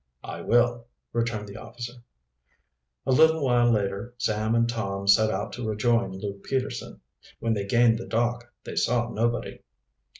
"I will," returned the officer. A little while later Sam and Tom set out to rejoin Luke Peterson. When they gained the dock they saw nobody.